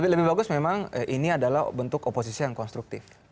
lebih bagus memang ini adalah bentuk oposisi yang konstruktif